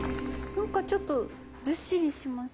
何かちょっとずっしりします。